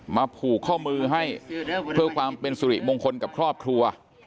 ผูกข้อมือให้เพื่อความเป็นสุริมงคลกับครอบครัว